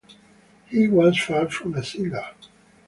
He was far from a singer.